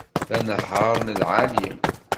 D anehhar n lεali